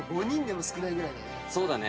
そうだね。